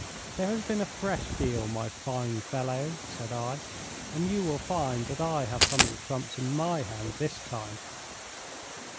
'There has been a fresh deal, my fine fellow,' said I, 'and you will find that I have some of the trumps in my hand this time.'